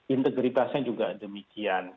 integritasnya juga demikian